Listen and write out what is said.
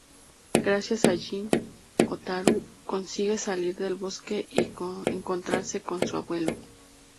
Gracias a Gin, Hotaru consigue salir del bosque y encontrarse con su abuelo.